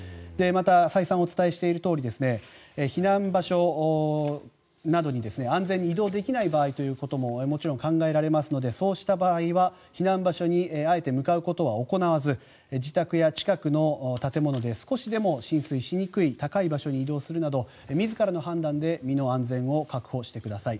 再三お伝えしているとおり避難場所に安全に移動できない場合ということももちろん考えられますのでそうした場合は避難場所に向かうということはあえて行わず自宅や近くの建物で少しでも浸水しにくい高い場所に移動するなど自らの判断で身の安全を確保してください。